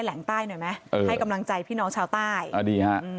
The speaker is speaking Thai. แหล่งใต้หน่อยไหมให้กำลังใจพี่นองชาวใต้